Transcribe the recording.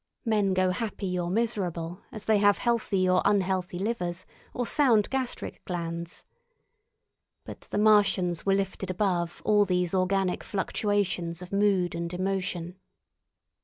Men go happy or miserable as they have healthy or unhealthy livers, or sound gastric glands. But the Martians were lifted above all these organic fluctuations of mood and emotion.